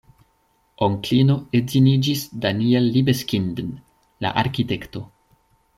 Onklino edziniĝis Daniel Libeskind-n, la arkitekto.